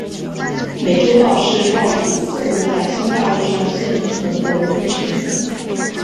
美洲豹是豹属动物在新大陆上现存的唯一成员。